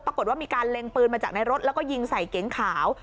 ปรากฏว่ามีการเล็งปืนมาจากในรถแล้วก็ยิงใส่เก๋งขาว